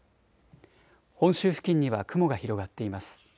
本州付近には雲が広がっています。